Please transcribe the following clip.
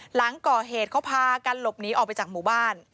หลังก่อเหตุเขาพากันหลบหนีออกไปจากหมู่บ้าน